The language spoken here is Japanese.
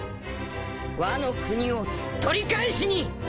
ワノ国を取り返しに！